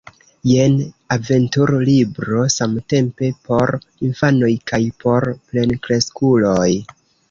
Jen aventur-libro samtempe por infanoj kaj por plenkreskuloj.